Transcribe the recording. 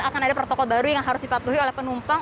akan ada protokol baru yang harus dipatuhi oleh penumpang